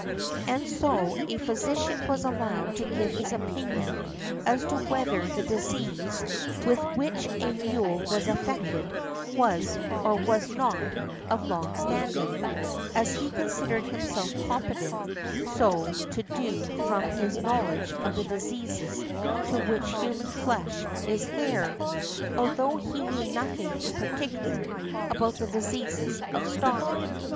And so a physician was allowed to give his opinion as to whether the disease with which a mule was afflicted was, or was not, of long standing, as he considered himself competent so to do from his knowledge |54| of the diseases to which human flesh is heir, although he knew nothing in particular about the diseases of stock .